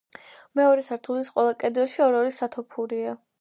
მეორე სართულის ყველა კედელში ორ-ორი სათოფურია.